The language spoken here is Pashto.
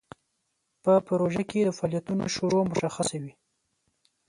په پروژه کې د فعالیتونو شروع مشخصه وي.